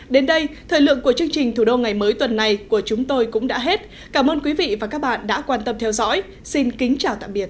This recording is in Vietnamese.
đến đây thời lượng của chương trình thủ đô ngày mới tuần này của chúng tôi cũng đã hết cảm ơn quý vị và các bạn đã quan tâm theo dõi xin kính chào tạm biệt